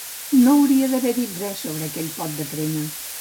No hauria d'haver dit res sobre aquell pot de crema.